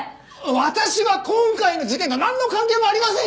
私は今回の事件とはなんの関係もありませんよ！